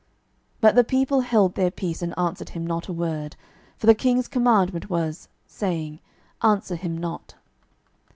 12:018:036 But the people held their peace, and answered him not a word: for the king's commandment was, saying, Answer him not.